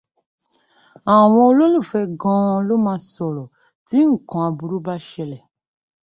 Àwọn olólùfẹ́ gan-an ló máa sọ̀rọ̀ tí nńkan aburu bá ṣẹlẹ̀.